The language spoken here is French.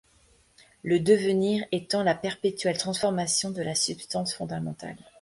Le devenir étant la perpétuelle transformation de la substance fondamentale.